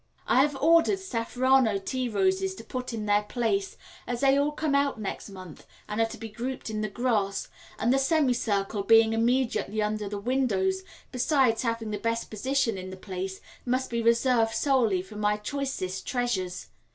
I have ordered Safrano tea roses to put in their place, as they all come out next month and are to be grouped in the grass; and the semicircle being immediately under the windows, besides having the best position in the place, must be reserved solely for my choicest treasures.